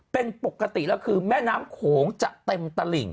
เป็นปกติแล้วคือแม่น้ำโขงจะเต็มตลิ่ง